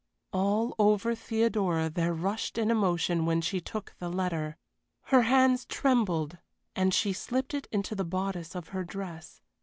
All over Theodora there rushed an emotion when she took the letter. Her hands trembled, and she slipped it into the bodice of her dress.